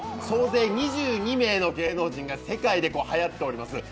総勢２２名の芸能人が世界ではやっております